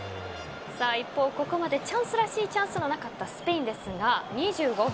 一方、ここまでチャンスらしいチャンスのなかったスペインですが２５分。